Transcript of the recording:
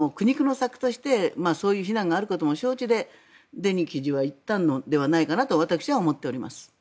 本当にそれは苦肉の策としてそういう非難があることも承知でデニー知事は行ったのではないかなと私は思っております。